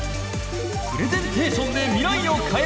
プレゼンテーションで未来を変えろ！